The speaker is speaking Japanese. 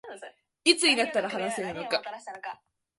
いつになったら話せるか